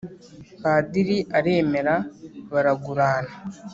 padiri aremera , baragurana.